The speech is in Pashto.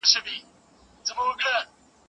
هغه وویل د هغې هوډ یې قانع کړ چې مرسته وکړي.